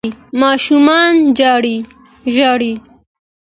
ماشومان ژاړي